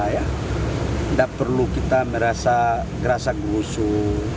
tidak perlu kita merasa gerasak musuh